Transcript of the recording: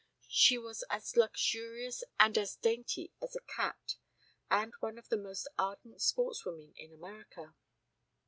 She was as luxurious and as dainty as a cat and one of the most ardent sportswomen in America.